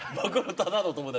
ただの友達。